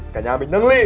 cả nhà mình nâng ly